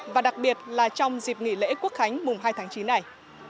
và đặc biệt là trong dịp nghỉ lễ quốc khánh mùng hai tháng chín này